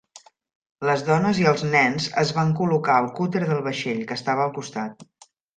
Les dones i els nens es van col·locar al cúter del vaixell, que estava al costat.